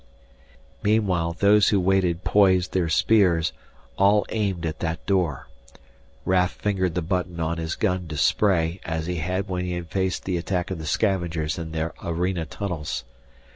Meanwhile those who waited poised their spears, all aimed at that door. Raf fingered the button on his gun to "spray" as he had when he had faced the attack of the scavengers in the arena tunnels.